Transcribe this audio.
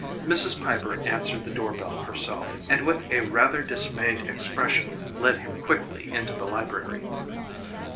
Mrs. Piper answered the door bell herself, and with a rather dismayed expression led him quickly into the library.